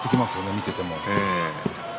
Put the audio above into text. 見ていても。